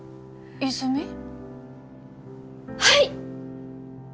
はい！